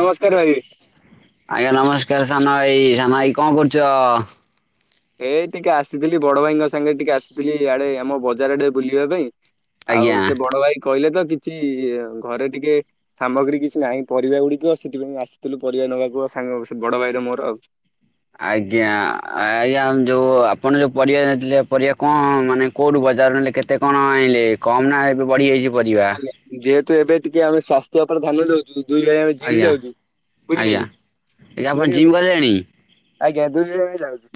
ନମସ୍କାର ଭାଇ। ଆଜ୍ଞା ନମସ୍କାର ସାନ ଭାଇ, ସାନ ଭାଇ କଣ କରୁଛ? ଏଇ ଟିକେ ଆସିଥିଲି ବଡ ଭାଇଙ୍କ ସାଙ୍ଗେରେ ଟିକେ ଆସିଥିଲି ଇଆଡେ ଆମ ବଜାର ଆଡେ ବୁଲିବା ପାଇଁ। ଆଉ ଆଜ୍ଞା ସେ ବଡ ଭାଇ କହିଲେ ତ କିଛି ଘରେ ଟିକେ ସାମଗ୍ରୀ କିଛି ନାହିଁ ପରିବା ଗୁଡିକ ସେଥିପାଇଁ ଆସିଥିଲୁ ପରିବା ନବାକୁ ସାଙ୍ଗହେଇ ବଡ ଭାଇ ର ମୋର ଆଉ। ଆଜ୍ଞା, ଆଜ୍ଞା ଯଉ ଆପଣ ଯୋଉ ପରିବା ନେଇଥିଲେ ପରିବା କଣ ମାନେ କଉଠୁ ବଜାର ନେଲେ କେତେ କେତେ କଣ ଆଣିଲେ କମ୍ ନା ଏବେ ବଢ଼ିଯାଇଛି ପରିବା? ଆଜ୍ଞା, ଯେହେତୁ ଏବେ ଟିକେ ଆମେ ସ୍ଵାସ୍ଥ୍ୟ ଉପରେ ଧ୍ୟାନ ଦଉ ଦୁଇ ଭାଇ ଆମେ ଜିମ୍ ଆଜ୍ଞା ଯାଉଛୁ ବୁଝିଲେ ଆଜ୍ଞା କି ଆଜ୍ଞା ଆପଣ ସେଥିପାଇଁ ଜିମ୍ ଆମେ ଗଲେଣି? ଆଜ୍ଞା [inaudible]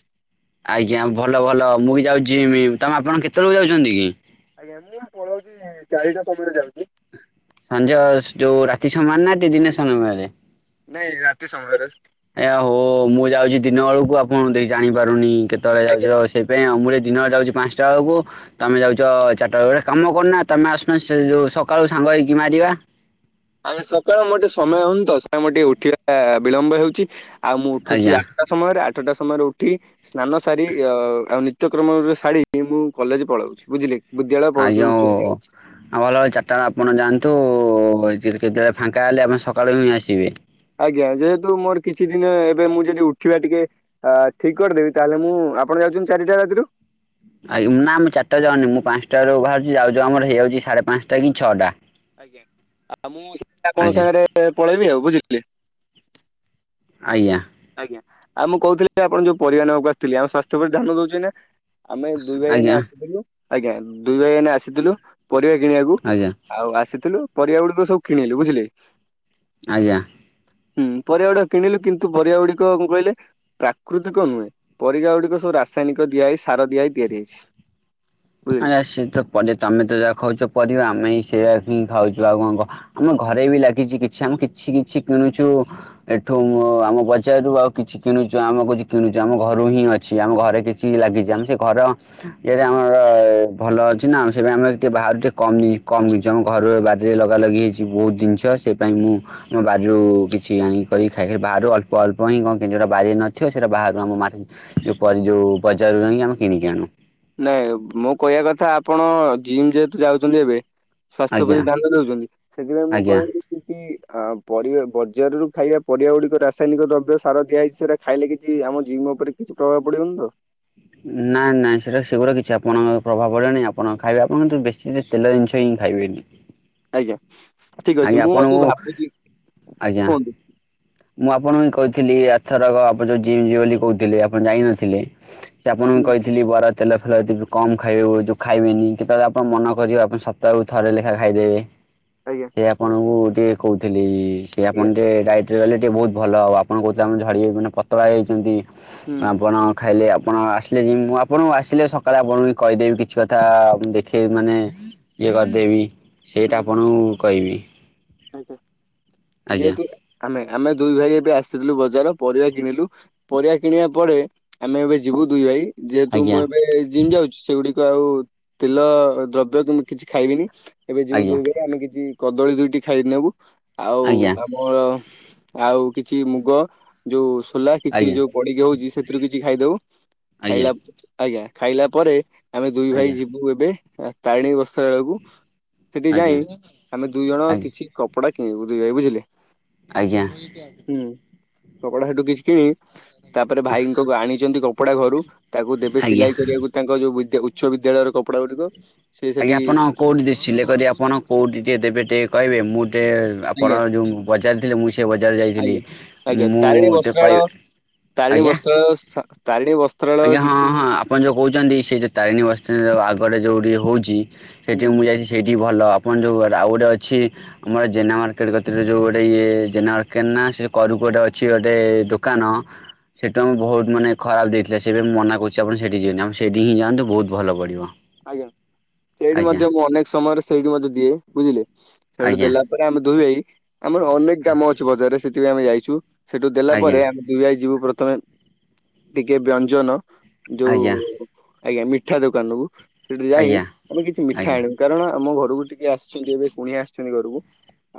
ଆଜ୍ଞା ଭଲ ଭଲ ମୁଁ ଇ ଯାଉଛି ଯିମି ତମେ ଆପଣ କେତେବେଳକୁ ଯାଉଛନ୍ତି କି? ଆଜ୍ଞା ମୁଁ ପଳଉଛି ଚାରିଟା ସମୟରେ ଯାଉଛି। ସଞ୍ଜ ସ ଯୋଉ ରାତି ସମାନ ନା ଦି ଦିନ ସମୟରେ? ନାଇଁ ରାତି ସମୟରେ! ଏ ହୋ ମୁଁ ଯାଉଛି ଦିନ ବେଳକୁ ଆପଣ ଦେଇ ଜାଣିପାରୁନି କେତେବେଳେ ଆଜ୍ଞା। ଯାଉଛ ସେ ପାଇଁ ଆଉ ମୁଁ ଏ ଦିନ ବେଳେ ଯାଉଚି ପାନ୍ସଟା ବେଳକୁ! ତମେ ଯାଉଛ ଚାରିଟା ବେଳେ ଗୋଟେ କାମ କରୁନା ତମେ ଆସୁନ ସେ ଯୋଉ ସକାଳୁ ସାଙ୍ଗ ହେଇକି ମାରିବା! ଆମେ ସକାଳ ମୋର ଟିକେ ସମୟ ହୁଅନି ତ ସେ ଟିକେ ଉଠିବା ଟା ବିଳମ୍ବ ହେଉଛି ଆଉ ମୁଁ ଉଠୁଛି ଆଜ୍ଞା ଆଠ ଠଟା ସମୟରେ ଆଠଟା ସମୟରେ ଉଠି ସ୍ନାନ ସାରି ଅ ଆଉ ନି ତ୍ୟକ୍ରମ ରେ ଶାଡ଼ିକି ମୁଁ କଲେଜ ପଳଉଛି ବୁଝିଲେ କି! ବିଦ୍ୟାଳୟ ପଳଉଛି ଆଜ୍ଞା ଉଚ୍ଚ ଓ ବିଦ୍ୟାଳୟ ଆ ଭଲ ଚାରିଟା ବ ଆପଣ ଯାଆନ୍ତୁ କୁ ଏ ସି ଯେ କେତେବେଳେ ଫାଙ୍କା ହେଲେ ଆପଣ ସକାଳୁ ହିଁ ଆସିବେ! ଆଜ୍ଞା ଯେହେତୁ ମୋର କିଛି ଦିନ ଏବେ ମୁଁ ଯଦି ଉଠିବା ଟିକେ ଆ ଠିକ କରିଦେବି ତାହେଲେ ମୁଁ ଆପଣ ଯାଉଚନ୍ ଚାରିଟା ରାତିରୁ ଆଇ ଉଁ ନା ମୁଁ ଚାରିଟା ରେ ଜାଉନି ମୁଁ ପାନ୍ସ ଟା ରୁ ବାହାରୁଛି ଯାଉ ଯାଉ ଆମର ହେଇଯାଉଛି ସାଢେ ପାନ୍ସଟା କି ଛଅଟା! ଆଜ୍ଞା ଆଉ ମୁଁ ସେ ଆପଣଙ୍କ ଆଜ୍ଞା ସାଙ୍ଗରେ ପଳେଇବି ଆଉ ବୁଝିିଲେ! ଆଜ୍ଞା! ଆଜ୍ଞା ଆଉ ମୁଁ କହୁଥିଲି ଆପଣ ଯୋଉ ପରିବା ନବାକୁ ଆସିଥିଲି ଆଉ ସ୍ଵାସ୍ଥ୍ୟ ପ୍ରତି ଧ୍ୟାନ ଦଉଛନ୍ ନା? ଆମେ ଦୁଇ ଭାଇ ଏଇନେ ଆଜ୍ଞା ଆସିଥିଲୁ ଆଜ୍ଞା ଦୁଇ ଭାଇ ଏଇନେ ଆସିଥିଲୁ ପରିବା କିଣିବାକୁ ଆଜ୍ଞା ଆଉ ଆସିଥିଲୁ ପରିବା ଗୁଡିକ ସବୁ କିଣିଲୁ ବୁଝିଲେ! ଆଜ୍ଞା! ହୁଁ ପରିବା ଗୁଡିକ କିଣିଲୁ କିନ୍ତୁ ପରିବା ଗୁଡିକ କଂ କହିଲେ ପ୍ରାକୃତିକ ନୁହେଁ ପରିବା ଗୁଡିକ ସବୁ ରାସାୟନିକ ଦିଆ ଏଇ ସାର ଦିଆ ଏଇ ତିଆରି ହେଇଛି! ବୁଝିଲେ ଆୟା ସେତ ପନି ତମେତ ଯାହା ଖାଉଛ ପରିବା ଆମେ ହି ସେଇଆ ହିଁ ଖାଉଛୁ ଆଉ କଂ ଘ ଆମ ଘରେବି ଲାଗିଛି କିଛି ଆମେ କିଛି କିଛି କିଣୁଛୁ ଏଠୁ ମୁଁ ଆମ ବଜାରରୁ ଆଉ କିଛି କିଣୁଛୁ ଆମକୁ କି ଜୁ କିଣୁଛୁ ଆମ ଘରୁହିଁ ଅ ଛି ଆମ ଘରେ କିଛି ଲାଗିଛି ଆମ ସେ ଘର ଇଏରେ ଆମ ଭଲ ଅଛିନା ସେପାଇଁ ଆମେ ଟିକେ ବାହାରୁ ଟିକେ କମ ଇ କମ୍ ଜିନିଷ ଆମ ଘରବାରିରେ ଲଗାଲଗି ହେଇଛି ବହୁତ ଜିନିଷ ସେ ପାଇଁ ମୁଁ ଆମ ବାରିରୁ କିଛି ଆଣି କରିଖାଇକି ବାହାରୁ ଅଳ୍ପ ଅଳ୍ପ ହିଁ କଣ କିଣ ଯଉଟା ବାରିରେ ନଥିବ ସେଇଟା ବାହାରୁ ଆମ ମା ଯୋଉ ପ ଯୋଉ ବଜାରରୁ ଯାଇଁ ଆମେ କିଣିକି ଆଣୁ। ନାଇଁ ମୋ କହିବା କଥା ଆପଣ ଜିମ ଯେହେତୁ ଯାଉଛନ୍ତି ଏବେ ସ୍ୱାସ୍ଥ୍ୟ ଆଜ୍ଞା ପ୍ରତି ଧ୍ୟାନ ଦଉଛନ୍ତି ସେଥିପାଇଁ ମୁଁ ଆଜ୍ଞା କହିଲି ଲି କି ଆ ପରି ବଜାର ରୁ ଖାଇବା ପରିବା ଗୁଡିକ ରାସାୟନିକ ଦ୍ରବ୍ୟ ସାର ଦିଆଇଛି ସେରା ଖାଇଲେ କିଛି ଆମ ଜିମ ଉପରେ କିଛି ପ୍ରଭାବ ପଡିବନିତ। ନା ନାଇଁ ସେରା ରେ ସେଗୁଡା କିଛି ଆପଣଙ୍କ ପ୍ରଭାବ ପଡ଼ିଲାନି ଆପଣ ଖାଇବେ ଆପଣ ନ୍ତୁ ବେଶୀ ରେ ତେଲ ଜିନିଷ ହିଁ ଖାଇବେନି। ଆଜ୍ଞା ଠିକଅଛି ଆଜ୍ଞା ମୁଁ ମତେ ଆପଣଙ୍କୁ ଭାବୁଛି ଆଜ୍ଞା କୁହନ୍ତୁ? ମୁଁ ଆପଣ କୁଇଁ କହିଥିଲି ଏଥରକ ଆପ ଜୋ ଜିମ ଯିିବେବୋଲି କହୁଥିଲେ ଆପଣ ଜାଇ ନଥିଲେ ସେଟା ଆପଣଙ୍କୁ ହୁଁ କହିଥିଲି ବରା ତେଲ ଫେଲ କମ ଖାଇବେ ଯଉ ଖାଇବେନି କେତେବେଳେ ଆପଣ ମନ କରିବେ ଆପଣ ସ ସପ୍ତାକୁ ଥରେ ଲେଖା ଖାଇଦେବେ। ଆଜ୍ଞା। ସେ ଆପଣଙ୍କୁ ଟିକେ କହୁଥିଲି ସେ ଆପଣ ଆଜ୍ଞା ଟିକେ ଡାଇଟ ରେ ରହିଲେ ଟିଏ ବହୁତ ଭଲ ହବ ଆପଣ କହୁଥିଲେ ଆମ ଝଡ଼ିଯାଇ ମାନେ ପତଳା ହେଇଯାଛନ୍ତି ହୁଁ ଆପଣ ଖାଇଲେ ଆପଣ ଆସିଲେ ଜିମ୍ ମୁଁ ଆପଣଙ୍କୁ ଆସିଲେ ସକାଳେ ଆପଣଙ୍କୁବି କହିଦେବି କିଛିକଥା ଦେଖେଇବି ମାନେ ଇଏ କରିଦେବି। ସେଇଟା ହୁଁ ଆପଣଙ୍କୁ କହିବି। ଆଜ୍ଞା। ଆଜ୍ଞା ଯେହେତୁ ଆମେ ଆମେ ଦୁଇ ଭାଇ ଏବେ ଆସିଥିଲୁ ବଜାର, ପରିବା କିଣିଲୁ ପରିବା କିଣିବା ପରେ, ଆମେ ଏବେ ଯିବୁ ଦୁଇଭାଇ। ଯେହେତୁ ଆଜ୍ଞା ମୁଁ ଏବେ ଜିମ୍ ଯାଉଛି ସେଗୁଡିକ ଆଉ ତେଲ ଦ୍ରବ୍ୟକି ମୁଁ କିଛି ଖାଇବିନି। ଏବେ ଯିବୁ ଆଜ୍ଞା ଦୁଇ ଭାଇ ଆମେକିଛି କଦଳୀ ଦୁଇଟି ଖାଇ ନେବୁ। ଆଉ ଆଜ୍ଞା ଆମର ଆଉ କିଛି ମୁଗ ଯୋଉ ସୋଲା କିଛି ଆଜ୍ଞା ଯୋଉ ପଡିକି ହୋଉଛି ସେଥିରୁ କିଛି ଖାଇଦବୁ। ଆଜ୍ଞା ଖାଇଲା, ଆଜ୍ଞା ଖାଇଲା ପରେ ଆମେ ଦୁଇଭାଇ ଆଜ୍ଞା ଯିବୁଏବେ ତାରିଣୀ ବସ୍ତ୍ରାଳୟକୁ ସେଠି ଯାଇଁ ଆଜ୍ଞା ଆମେ ଦୁଇଜଣ କପଡା କିଣିବୁ ଦୁଇ ଭାଇ ବୁଝିଲେ। ଆଜ୍ଞା। ହୁଁ କପଡା ସେଠୁ କିଛି କିଣି, ତାପରେ ଭାଇଙ୍କ ଆଣିଛନ୍ତି କପଡା ଘରୁ ତାକୁ ଦେବେ ଆଜ୍ଞା ସିଲାଇ କରିବାକୁ ତାଙ୍କ ଯୋଉ ବିଦ୍ୟା ଉଚ୍ଚ ବିଦ୍ୟାଳୟର କପଡା ଗୁଡିକ ସେ ସେଠି ଆଜ୍ଞା ଆପଣ କୋଉଠି ଦେ ସିଲେଇ କରି ଆପଣ କୋଉଠି ଟିକେ ଦେବେ ଟିକେ କହିବେ ମୁଁ ଟିକେ ଆପଣ ଆଜ୍ଞା ଯୋଉ ବଜାର ଥିଲେ, ମୁଁ ସେ ବଜାର ଯାଇଥିଲି। ଆଜ୍ଞା ଆଜ୍ଞା ମୁଁ ତାରିଣୀ ଟିକେ ବସ୍ତ୍ରାଳୟ କହିବେ ତାରିଣୀ ଆଜ୍ଞା ବସ୍ତ୍ରାଳୟ, ସ ତାରିଣୀ ଆଜ୍ଞା ବସ୍ତ୍ରାଳୟ ହଁ କିଛି ହଁ ଆପଣ ଯୋଉ କହୁଛନ୍ତି ସେ ଯେ ତାରିଣୀ ବସ୍ତ୍ରାଳୟ ଆଗରେ ଯେଉଁଠି ହେଉଛି, ହୁଁ ସେଇଠି ମୁଁ ଯାଇଚି ଏଠି ଭଲ, ଆପଣ ଯୋଉ ଆଉ ଗୋଟେ ଅଛି ଆମର ଜେନା ମାର୍କଟେ କତିରେ, ଯୋଉ ଗୋଟେ ଇଏ ଜେନା ମାର୍କେଟ୍ ନା ସେ କରକୁ ଅଛି ଗୋଟେ ଦୋକାନ ସେଇଠୁ ଆମକୁ ବୋହୁତ୍ ମାନେ ଖରାପ୍ ଦେଇଥିଲା। ସେଇଥିପାଇଁ ମନା କରୁଛି। ଆପଣ ସେଠି ଯିବେନି, ଆପଣ ସେଇଠି ଯାନ୍ତୁ ବୋହୁତ୍ ଭଲପଡ଼ିବ। ଆଜ୍ଞା। ସେଇଠି ମଧ୍ୟ ମୁଁ ଅନେକ୍ ସମୟରେ ସେଇଠି ମଧ୍ୟ ଦିଏ, ବୁଝିଲେ ସେଇଠୁ ଆଜ୍ଞା ଦେଲା ପରେ ଆମେ ଦୁଇଭାଇ, ଆମର ଅନେକ କାମଅଛି ବଜାରରେ ସେଥିପାଇଁ ଆମେ ଯାଇଛୁ। ସେଠୁ ଆଜ୍ଞା ଦେଲାପରେ ଆମେ ଦୁଇଭାଇ ଯିବୁ ପ୍ରଥମେ, ଟିକେ ବ୍ୟଞ୍ଜନ ଯୋଉ ଆଜ୍ଞା ଆଜ୍ଞା ମିଠା ଦୋକାନକୁ ସେଠିଯାଇ ଆଜ୍ଞା ଆମେ କିଛି ଆଜ୍ଞା ମିଠାଆଣିବୁ କାରଣ ଆମଘରକୁ ଟିକେ ଆସିଛନ୍ତି ଏବେ କୁଣିଆ ଆସିଛନ୍ତି ଘରକୁ।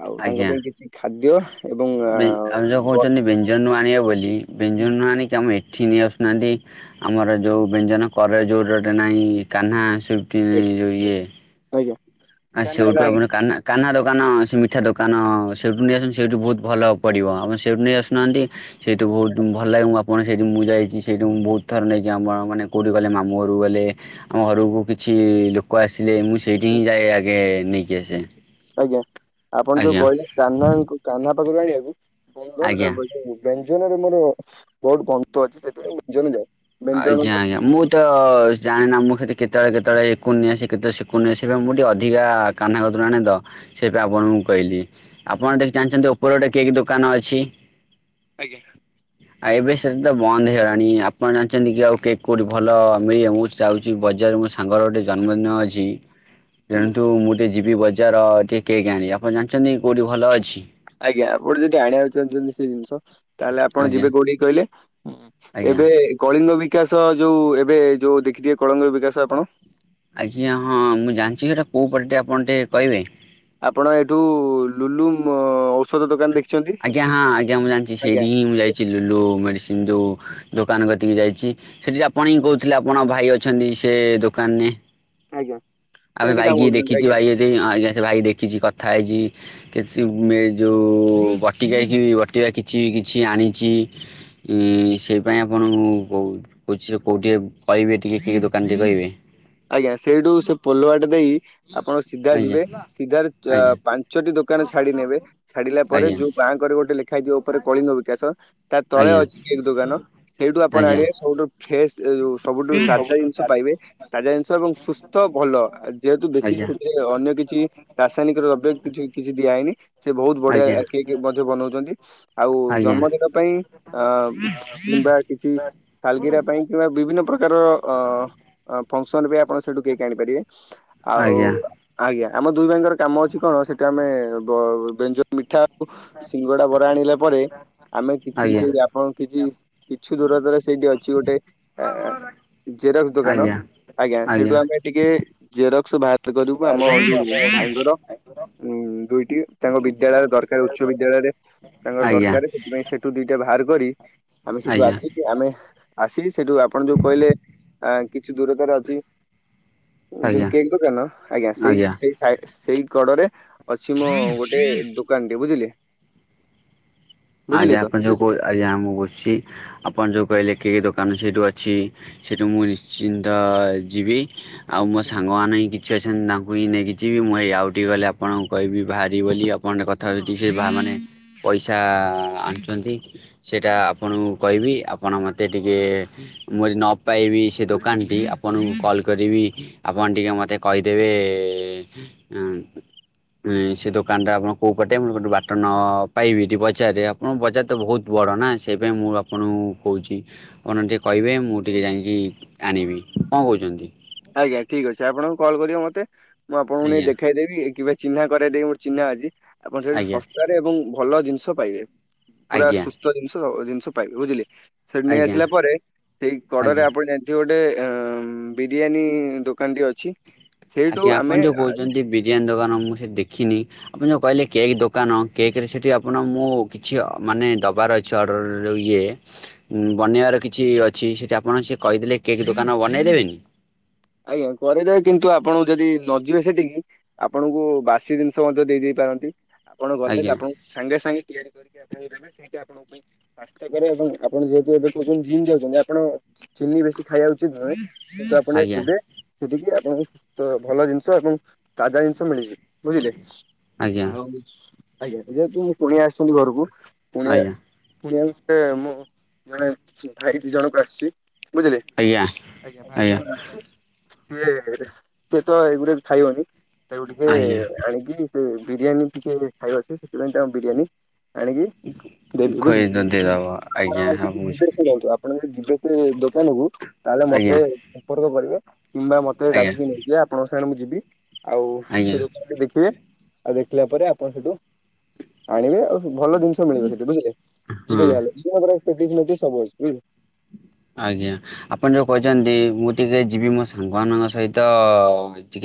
ଆଉ ଆଜ୍ଞା ତାଙ୍କପାଇଁ କିଛିଖାଦ୍ୟ ଏବଂ ବ ବ୍ୟଞ୍ଜନ ନଆଣିବ ବୋଲି ବ୍ୟଞ୍ଜନ ନଆଣିକି ଆମ ଏଠିକି ନେଇଆସୁନାହାନ୍ତି ଆମର ଯୋଉ ବ୍ୟଞ୍ଜନ କରେ ଜୋରଟେ ନାହିଁ କାହ୍ନା ସୁଇଟି ଯୋଉ ଇଏ ଆଜ୍ଞା। ଆ ସେଇଠୁ ଆପଣ କାହ୍ନା କାହ୍ନା ଦୋକାନ ସେ ମିଠା ଦୋକାନ, ସେଇଠୁ ନେଇ ଆସନ୍ତୁ ସେଇଠୁ ବୋହୁତ୍ ଭଲ ପଡ଼ିବ ଆପଣ ସେଇଠୁ ନେଇ ଆସୁନାହାନ୍ତି। ସେଇଠୁ ବୋହୁତ୍ ଭଲଲାଗେ ମୁଁ ପୁଣି ସେଇଠି ମୁଁ ଯାଇଛି। ସେଇଠି ମୁଁ ବୋହୁତ୍ ଥର ନେଇଛି ଆମ ଗାଁ ଙ୍କୁ ମାନେ, କେଉଠି ଗଲେ ମାମୁଁ ଘରୁ ଗଲେ। ଆମ ଘରକୁ କିଛି ଲୋକ ଆସିଲେ, ମୁଁ ସେଇଠି ହିଁ ଯାଏଁ ଆଗେ ନେଇକି ଆସେ। ଆଜ୍ଞା। ଆପଣ ଯୋଉ ଆଜ୍ଞା କହିଲେ କାହ୍ନା, କାହ୍ନା ପାଖରୁ ଆଣିବାକୁ ଆଜ୍ଞା [unintelligible] ବ୍ୟଞ୍ଜନରେ ମୋର ବୋହୁତ୍ ବନ୍ତ ଅଛି ସେଥିପାଇଁ ଜଲ ଯା ଆଜ୍ଞା ଆଜ୍ଞା। ମୁଁ ତ ଜାଣେନା, ମୁଁ ସେତେ କେତେବେଳେ କେତେବେଳେ ଏକୁନି ଆସେ, କେତେବେଳେ ସେକୁନିଆ ଆସିବି। ମୁଁ ଟିକେ ଅଧିକା କାହ୍ନା କତିରୁ ଆଣେ ତ, ସେଇଟା ଆପଣଙ୍କୁ କହିଲି। ଆପଣ ଦେଖି ଜାଣିଛନ୍ତି ଉପରେ ଗୋଟେ କେକ୍ ଦୋକାନ ଅଛି। ଆଜ୍ଞା। ଆ ଏବେ ସେଟା ତ ବନ୍ଦ ହେଇଗଲାଣି। ଆପଣ ଜାଣିଛନ୍ତି କି ଆଉ କେକ୍ କେଉଁଠି ଭଲ ମିଳିବ? ଯାଉଛି ବଜାର ମୋ ସାଙ୍ଗର ଗୋଟିଏ ଜନ୍ମଦିନ ଅଛି। [inaudible] ଯେହେତୁ ମୁଁ ଟିକେ ଯିବି ବଜାର, ଟିକେ କେକ୍ ଆଣି। ଆପଣ ଜାଣିଛନ୍ତି କେଉଁଠି ଭଲ ଅଛି? ଆଜ୍ଞା। ଆପଣ ଯଦି ଆଣିବାକୁ ଚାହୁଁଛନ୍ତି ସେ ଜିନିଷ ତାହେଲେ ଆପଣ ଆଜ୍ଞା ଯିବେ କୋଉଠିକି କହିଲେ ଉଁ ଆଜ୍ଞା ଏବେ କଳିଙ୍ଗ ବିକାଶ ଯୋଉ ଏବେ ଯୋଉ ଦେଖିଥିବେ କଳିଙ୍ଗ ବିକାଶ ଆପଣ। ଆଜ୍ଞା ହଁ ମୁଁ ଜାଣିଛିଟ କୋଉ ପାଟେ ଆପଣ ଟିକେ କହିବେ? ଆପଣ ଏଇଠୁ ଲୁଲୁ ମ୍ ଔଷଧ ଦୋକାନ ଦେଖି ଆଜ୍ଞା ହଁ ଆଜ୍ଞା ମୁଁ ଜାଣିଛି। ସେଇଠୀ ହିଁ ମୁଁ ଯାଇଛି ଲୁଲୁ ମେଡିସିନ୍ ଯୋଉ ଦୋକାନ କତିକି ଯାଇଛି। ସେଠି ଆପଣ ହିଁ କହୁଥିଲେ ଆପଣଙ୍କ ଭାଇ ଅଛନ୍ତି ସେ ଦୋକାନରେ। ଆଜ୍ଞା ସେ ଆମେ ଏଠି କାମ ଭାଇକି କରୁଛନ୍ତି ଦେଖିଛି। ଆଜ୍ଞା। ଭାଇ ଆଜ୍ଞା ସେ ଭାଇ ଦେଖିଛି କଥା ହେଇଛି। କେତେ ମେ ଯୋଉ ବଟିଗାଇକି ଅଟିବା କିଛି ବି କିଛି ଆଣିଛି। ଉଁ ସେଇପାଇ ଆପଣଙ୍କୁ କହୁ କୁ କୋଉଠିକେ କହିବେ ଟିକେ କି ଦୋକାନ ଟିକେ କହିବେ? ଆଜ୍ଞା ସେଇଠୁ ସେ ପୋଲୁଆଟେ ଦେଇ ଆପଣ ସିଧା ଆଜ୍ଞା ଯିବେ। ସିଧାରେ ଆଜ୍ଞା ପାଞ୍ଚଟି ଦୋକାନ ଛାଡି ନେବେ। ଛାଡିଲା ପରେ ଯୋଉ ବାଁ କରେ ଗୋଟେ ଲେ ଖାଇଯିବ ଉପରେ କଳିଙ୍ଗ ବିକାଶ। ତା ତଳେ ଆଜ୍ଞା ଅଛି କେକ୍ ଦୋକାନ। ସେଇଠୁ ଆପଣ ଆଜ୍ଞା ଆଣିବେ ସବୁଠୁ ଫ୍ରେସ୍ ସବୁଠୁ ତାଜା ଜିନିଷ ପାଇବେ। ତାଜା ସୁସ୍ଥ ଭଲ। ଯେହେତୁ ବେଶୀ ଆଜ୍ଞା ସେଥିରେ ଅନ୍ୟ କିଛି ରାସାୟନିକ ଦ୍ରବ୍ୟ କିଛି କି ଦିଆହେଇନି ସେ ବହୁତ ବଢିଆ ଆଜ୍ଞା କେକି ମଧ୍ୟ ବନାଉଛନ୍ତି। ଆଉ ଆଜ୍ଞା ଜନ୍ମଦିନ ପାଇଁ ଅ କିମ୍ବା କିଛି ସାଲଗିରା ପାଇଁ କିମ୍ବା ବିଭିନ୍ନ ପ୍ରକାରର ଅ ଫଙ୍କସନ ବି ଆପଣ ସେଠୁ କେକ ଆଣିପାରିବେ। ଆଉ ଆଜ୍ଞା ଆଜ୍ଞା ଆମ ଦୁଇ ଭାଇଙ୍କର କାମ ଅଛି କଣ ସେଟା ଆମେ ବ ବ୍ୟଞ୍ଜ ମିଠା ଆଉ ସିଙ୍ଗଡା ବରା ଆଣିଲା ପରେ ଆମେ ଆଜ୍ଞା କିଛି ଆଜ୍ଞା ସେଇ ଆପଣ କିଛି କିଛି ଦୂରତାରେ ସେଇଠି ଅଛି ଗୋଟେ ଅ ଜେରକ୍ସ ଦୋକାନ। ଆଜ୍ଞା ଆଜ୍ଞା ସେଇଠୁ ଆମେ ଟିକେ ଜେରକ୍ସ ବାହାର କରିବୁ ଆମ ଯୋଉ ମୋ ଭାଇଙ୍କର ଉ ଦୁଇଟି ତାଙ୍କ ବିଦ୍ୟାଳୟରେ ଦରକାର ଉଚ୍ଚ ବିଦ୍ୟାଳୟରେ। ତାଙ୍କର ଆଜ୍ଞା ଦରକାର ସେଥିପାଇଁ ସେଠ ଟୁ ଦିଟା ବାହାର କରି। ଆମେ ସେଠୁ ଆଜ୍ଞା ଆସିକି ଆମେ ଆସି ସେଇଠୁ ଆପଣ ଯୋଉ କହିଲେ ଆ କିଛି ଦୂରତାର ଅଛି। ଯୋଉ ଆଜ୍ଞା କେକ୍ ଦୋକାନ ଆଜ୍ଞା ସେଇ ସେଇ ସାଇଡ୍ ସେଇ କଡରେ ଅଛି ମୋ ଗୋଟେ ଦୋକ୍ ନ ଟେ ବୁଝିଲେ। ବୁଝିଲେ ଆଜ୍ଞା ତ ଆପଣ ଯୋଉ କ ଆଜ୍ଞା ମୁଁ ବସିଛି। ଆପଣ ଯୋଉ କହିଲେ କି କି ଦୋକାନଛି ସେଇଠୁ ଅଛି। ସେଇଠୁ ମୁଁ ନିଶ୍ଚିନ୍ତ ଯିବି। ଆଉ ମୋ ସାଙ୍ଗମାନେ ହ ସିଚୁଏସନ୍ ତାଙ୍କୁ ହିଁ ନେଇକି ଯିବି ମୁଁ ହେଇ ଆଉ ଟିକି ଗଲେ ଆପଣଙ୍କୁ କହିବି ବାହାରି ବୋଲି ଆପଣ କଥା ହେଉଛି ସେ ବାହା ମାନେ ପଇସା ଆଣୁଛନ୍ତି। ସେଇଟା ଆପଣଙ୍କୁ କହିବି ଆପଣ ମୋତେ ଟିକେ ମୁଁ ଯ ନ ପାଇବି ସେ ଦୋକାନଟି ଆପଣଙ୍କୁ କଲ୍ କରିବି ଆପଣ ଟିକେ ମୋତେ କହିଦେବେ ଉଁ ଉଁ ସେ ଦୋକାନଟା ଆପଣ କୋଉ ପଟେ ମୁଁ ଗୋଟେ ବାଟ ନ ପାଇବି ତ ପଚାରିବି ଆ ହଁ ବଜାର ତ ବହୁତ ବଡ଼ ନା ସେଇପାଇଁ ମୁଁ ଆପଣଙ୍କୁ କହୁଛି। ଆପଣ ଟିକେ କହିବେ ମୁଁ ଟିକେ ଯାଇକି ଆଣିବି। କଣ କହୁଛନ୍ତି? ଆଜ୍ଞା ଠିକ୍ ଅଛି ଆପଣ କଲ୍ କରିବେ ମୋତେ ମୁଁ ଆପଣଙ୍କୁ ନେଇ ଆଜ୍ଞା ଦେଖେଇଦେବି। କିମ୍ବା ଚିହ୍ନା କରେ ଦେଇ ମୋର ଚିହ୍ନା ଅଛି। ଆପଣ ସେଠି ଆଜ୍ଞା ଶସ୍ତାରେ ଏବଂ ଭଲ ଜିନିଷ ପାଇବେ। ପୁରା ଆଜ୍ଞା ସୁସ୍ଥ ଜିନିଷ ଜିନିଷ ପାଇବେ ବୁଝିଲେ। ସେଠି ନେଇ ଆଜ୍ଞା ଆସିଲା ପରେ ସେଇ ଆଜ୍ଞା କଡ଼ରେ ଆପଣ ଜାଣିଥିବେ ଗୋଟେ ଅ ବି ବିରିୟାନୀ ଦୋକାନଟି ଅଛି। ସେଇଠୁ ଆଜ୍ଞା ଆପଣ ଆମେ ଯୋଉ କହୁଛନ୍ତି, ବିରିୟାନୀ ଦୋକାନ, ମୁଁ ସେ ଦେଖିନି। ଆପଣ ଯଉ କହିଲେ କେକ୍ ଦୋକାନ, କେକ୍ ରେ ସେଠି ଆପଣ ମୁଁ କିଛି ମାନେ ଦବାର ଅଛି। ଚଡ଼ରେ ଯୋଉ ଇଏ ବନେଇବାର କିଛି ଅଛି, ସେଠି ଆପଣ ସେ କହିଦେଲେ, କେକ୍ ଦୋକାନ ବନେଇ ଦେବେ ନି? ଆଜ୍ଞା କରି ଦେବେ କିନ୍ତୁ ଆପଣ ଯଦି ନ ଯିବେ ସେଠିକି ଆପଣଙ୍କୁ ବାସି ଜିନିଷ ମଧ୍ୟ ଦେଇ ଦେଇ ପାରନ୍ତି, ଆପଣ ଗଲେ ଆଜ୍ଞା ଆପଣଙ୍କୁ ସାଙ୍ଗେ ସାଙ୍ଗେ ତିଆରି କରିକି ଦେବେ। ସେଇୟା ନା ସେଇଟା ଆପଣଙ୍କ ପାଇଁ ସ୍ୱାସ୍ଥ୍ୟକରେ ଏବଂ ଆପଣ ଯେହେତୁ, ଏବେ କହୁଛନ୍ତି ଜିିମ୍ ଯାଉଛନ୍ତି ଆପଣ ଚିନି ବେଶୀ ଖାଇବାକୁ ଉଚିତ ନୁହେଁ। କିନ୍ତୁ ଆପଣ ଆଜ୍ଞା ଯିବେ ସେଠିକି ଆପଣଙ୍କୁ ଭଲ ଜିନିଷ ଏବଂ ତାଜା ଜିନିଷ ମିଳିଯିବ। ବୁଝିଲେ। ଆଜ୍ଞା ଆଜ୍ଞା ଆଉ ଆଜ୍ଞା ଯେହତୁ କୁଣିଆ ଆସିଛନ୍ତି ଘରକୁ। ପୁଣି, ଆଜ୍ଞା ପୁଣି ଆଉ ସେ ମୁଁ ଜଣେ ଭାଇ ଦି ଜଣଙ୍କୁ ଆସିଛି। ବୁଝିଲେ। ଆଜ୍ଞା ଆଜ୍ଞା ଭାଇ ଜଣକ ଅସିଛି। ସିଏ, ସିଏ ତ ଏଇ ଗୁଡ଼ାକ ଖାଇବନି, ତାକୁ ଟିକେ ଆଜ୍ଞା ଆଣିକି ସେ ବିରିୟାନୀ ଟିକେ ଖାଇବ ସେ, ସେଥିପାଇଁ ତ ବିରିୟାନୀ ଆଣିକି ଦେବି ବୁଝିଲେ। ଖୋଇଦ ଦେଇଦବ ଆଜ୍ଞା ଭାବୁଛି [unintelligible] ଆପଣ ଯଦି ଯିବେ ସେ ଦୋକାନକୁ, ତାହେଲେ ମତେ ଆଜ୍ଞା ସମ୍ପର୍କ କରିବେ, କିମ୍ବା ମତେ ଆଜ୍ଞା ଡାକି ନେବେ। ଯେ ଆପଣଙ୍କ ସାଙ୍ଗ ମୁଁ ଯିବି, ଆଉ ଆଜ୍ଞା ସେ ଦୋକାନଟି ଦେଖିବେ, ଆଉ ଦେଖିଲା ପରେ ଆପଣ ସେଠୁ ଆଣିବେ ଆଉ ଭଲ ଜିନିଷ ମିଳିବ ସେଠି ବୁଝିଲେ। ଯିବେ ହଁ ତାହେଲେ, ଯିବା ସେଠି ପେଟିସ ମେଟିସ ସବୁ ଅଛି ବୁଝିଲେ। ଆଜ୍ଞା, ଆପଣ ଯୋଉ କହିଛନ୍ତି, ମୁଁ ଟିକେ ଯିବି ମୋ ସାଙ୍ଗ ମାନଙ୍କ ସହିତ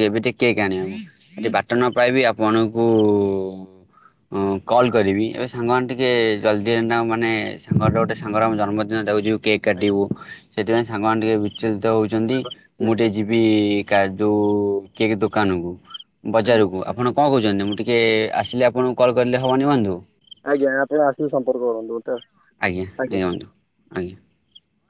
ଏବେ ଟିକେ କେକ୍ ଆଣିବି ମୁଁ। ସେଠି ବାଟ ନ ପାଇବି ଆପଣଙ୍କୁ କଲ୍ କରିବି, ଏବେ ସାଙ୍ଗମାନେ ଟିକେ ଜଲଦି ମାନେ ସାଙ୍ଗର ଗୋଟେ ସାଙ୍ଗର ଆମ ଜନ୍ମଦିନ ଦେଉଛି କାଟିବୁ ସେଥିପାଇଁ ସାଙ୍ଗ ମାନେ ଟିକେ ବିଚଳିତ ହେଉଛନ୍ତି। ଆଜ୍ଞା ମୁଁ ଟିକେ ଆଜ୍ଞା ଯିବି ବି କା ଯଉ କିଏ ଦୋକାନ କୁ, ଆଜ୍ଞା ବଜାର କୁ। ଆପଣ କଣ କହୁଛନ୍ତି, ମୁଁ ଟିକିଏ ଆସିଲେ ଆପଣଙ୍କୁ କଲ୍ କରିଲେ ହେବନି ବନ୍ଧୁ? ଆଜ୍ଞା ଆପଣ ଆସିକି ସମ୍ପର୍କ କରନ୍ତୁ। ତ ଆଜ୍ଞା, ଆଜ୍ଞା ବନ୍ଧୁ ଆଜ୍ଞା।